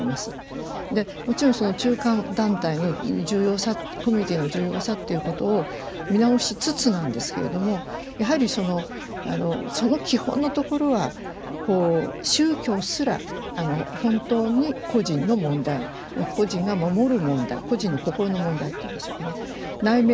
でもちろん中間団体の重要さコミュニティーの重要さっていうことを見直しつつなんですけれどもやはりその基本のところは宗教すら本当に個人の問題個人が守る問題個人の心の問題というんでしょうかね